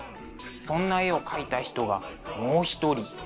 そんな絵を描いた人がもう一人。